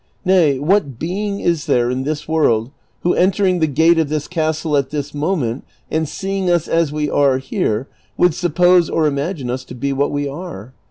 Nay, what being is there in this world, who entering the gate of this castle at this moment, and seeing us as we are here, would suppose or imagine us to be what we are